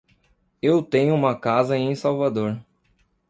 Eu tenho uma casa em Salvador.